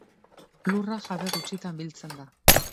Lurra jabe gutxitan biltzen da.